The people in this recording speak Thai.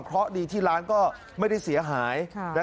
เพราะดีที่ร้านก็ไม่ได้เสียหาย